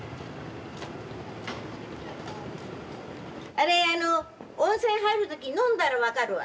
あれあの温泉入る時飲んだら分かるわ。